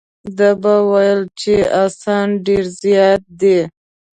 ده به ویل چې اسان ډېر زیات دي.